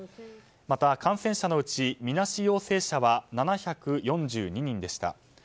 また、感染者のうちみなし陽性者は７４２人でした。